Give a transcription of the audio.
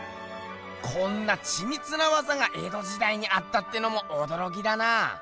こんなちみつなわざがえどじだいにあったってのもおどろきだな。